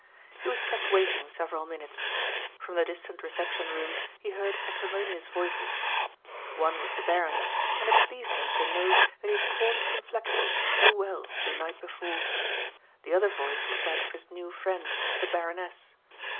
He was kept waiting several minutes. From the distant reception rooms he heard acrimonious voices. One was the Baron's and it pleased him to note that he had caught its inflections so well the night before. The other voice was that of his new friend, the Baroness.